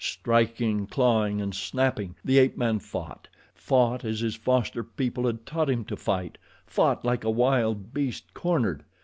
Striking, clawing, and snapping, the ape man fought fought as his foster people had taught him to fight fought like a wild beast cornered.